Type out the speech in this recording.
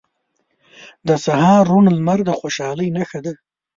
• د سهار روڼ لمر د خوشحالۍ نښه ده.